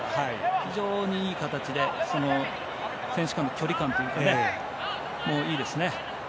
非常にいい形で選手間の距離感もいいですね。